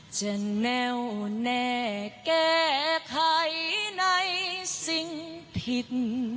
จะแนวแน่แก้ใครในสิ่งผิด